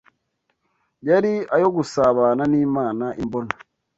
yari ayo gusabana n’Imana imbona